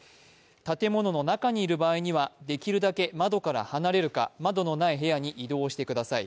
建物の中にいる場合にはできるだけ窓から離れるか窓のない部屋に移動してください。